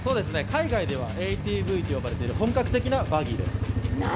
海外ではＡＴＶと呼ばれている本格的なバギーです。